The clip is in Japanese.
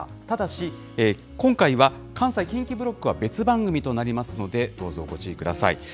ただし、今回は、関西・近畿ブロックは別番組となりますので、どうぞご注意ください。